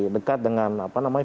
dekat dengan apa namanya